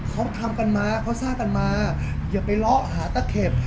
เขาทำกันมาเขาสร้างกันมาอย่าไปเลาะหาตะเข็บ